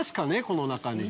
この中に。